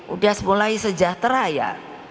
udah mulai sejahtera ya